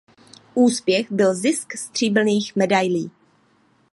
Úspěch byl zisk stříbrných medailí.